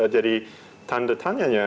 jadi tanda tanyanya